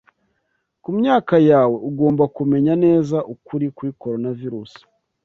Ku myaka yawe ugomba kumenya neza, ukuri kuri Coronavirus